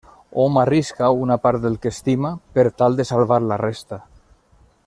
Hom arrisca una part del que estima per tal de salvar la resta.